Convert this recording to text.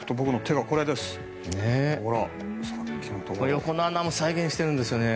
横の穴も再現しているんですね。